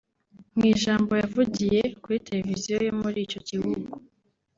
Mu ijambo yavugiye kuri televiziyo yo muri icyo gihugu